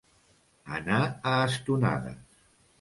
Anar a estonades.